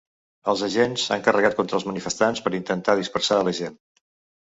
Els agents han carregat contra els manifestants per intentar dispersar a la gent.